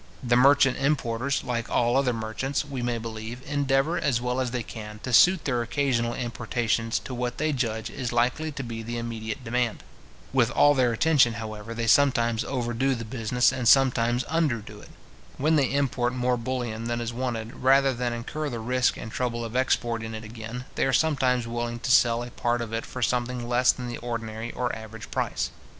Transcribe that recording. The merchant importers, like all other merchants, we may believe, endeavour, as well as they can, to suit their occasional importations to what they judge is likely to be the immediate demand. With all their attention, however, they sometimes overdo the business, and sometimes underdo it. When they import more bullion than is wanted, rather than incur the risk and trouble of exporting it again, they are sometimes willing to sell a part of it for something less than the ordinary or average price.